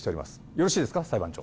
よろしいですか裁判長。